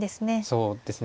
そうですね。